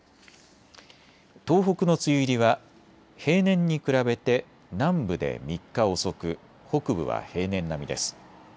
東北の梅雨入りは平年に比べて南部で３日遅く、北部は平年並みです。